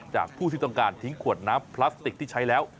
จากผู้ที่ต้องการทิ้งขวดน้ำพลาสติกที่ใช้แล้ว